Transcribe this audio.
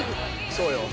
そうよ。